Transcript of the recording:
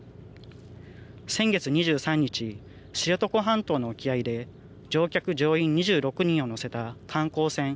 先月２３日、知床半島の沖合で乗客・乗員２６人を乗せた観光船